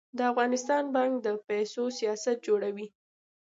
د افغانستان بانک د پیسو سیاست جوړوي